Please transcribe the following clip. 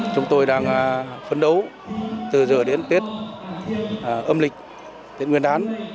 chúng tôi đang phấn đấu từ giờ đến tết âm lịch tết nguyên đán